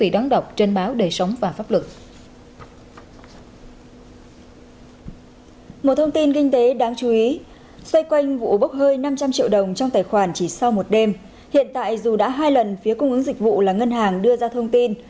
dù đã hai lần phía cung ứng dịch vụ là ngân hàng đưa ra thông tin